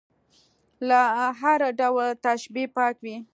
له هر ډول تشبیه پاک وي.